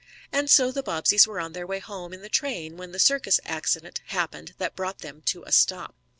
And so the Bobbseys were on their way home in the train when the circus accident happened that brought them to a stop.